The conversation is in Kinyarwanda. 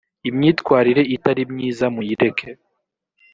imyitwarire itari myiza muyireke.